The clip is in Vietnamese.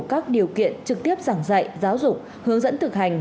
các điều kiện trực tiếp giảng dạy giáo dục hướng dẫn thực hành